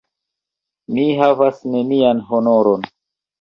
Mi havas nenian honoron!